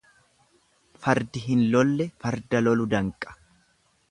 Fardi hin lolle farda lolu danqa.